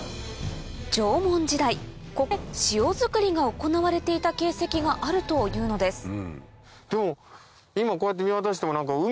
縄文時代ここで塩づくりが行われていた形跡があるというのですでも今こうやって。